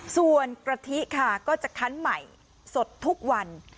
ส่วนกะทิค่ะก็จะคั้นใหม่สดทุกวัน